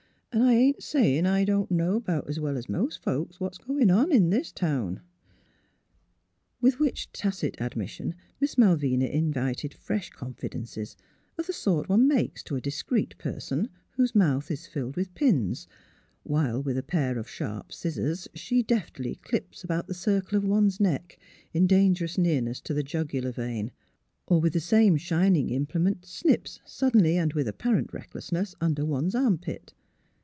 An' I ain't sayin' I don't know 'bout 's well as most folks what's goin' on in this town." 70 MALVINA BENNETT, DRESSMAKER 71 With which tacit admission Miss Malvina in vited fresh confidences of the sort one makes to a discreet person, whose mouth is filled with pins, while with a pair of sharp scissors she deftly clips about the circle of one 's neck in dangerous near ness to the jugular vein, or with the same shining implement snips suddenly and ^\ith apparent recklessness under one's arm pit.